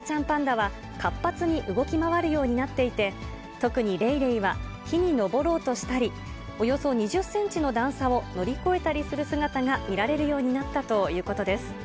上野動物園によりますと、双子の赤ちゃんパンダは、活発に動き回るようになっていて、特にレイレイは木に登ろうとしたり、およそ２０センチの段差を乗り越えたりする姿が見られるようになったということです。